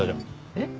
えっ？